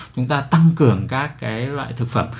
chúng ta tăng cường các cái loại thực phẩm